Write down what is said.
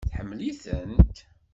Tḥemmel-itent?